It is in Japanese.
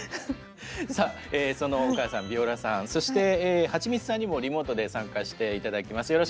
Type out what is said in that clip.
さあそのお母さんビオラさんそしてはちみつさんにもリモートで参加して頂きます。